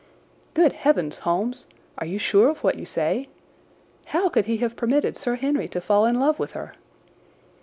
"Good heavens, Holmes! Are you sure of what you say? How could he have permitted Sir Henry to fall in love with her?"